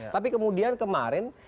tapi kemudian kemarin